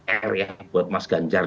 area buat mas ganjar